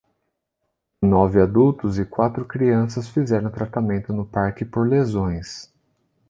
Nove adultos e quatro crianças fizeram tratamento no parque por lesões.